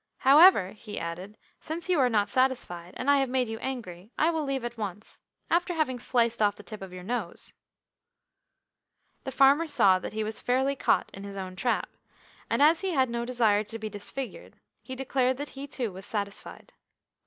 However," he added, "since you are not satisfied, and I have made you angry, I will leave at once, after having sliced off the tip of your nose." The farmer saw that he was fairly caught in his own trap, and as he had no desire to be disfigured, he declared that he too was satisfied.